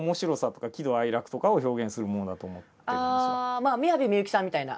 ああ宮部みゆきさんみたいな？